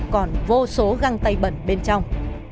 còn vô số găng tay bẩn bên trong